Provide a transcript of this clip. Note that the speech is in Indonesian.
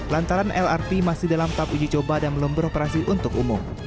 lantaran lrt masih dalam tahap uji coba dan belum beroperasi untuk umum